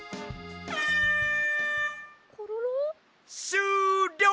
しゅうりょう！